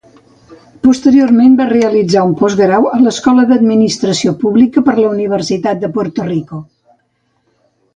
Posteriorment va realitzar un postgrau a l'Escola d'Administració Pública per la Universitat de Puerto Rico.